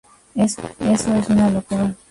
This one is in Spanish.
Eso es una locura.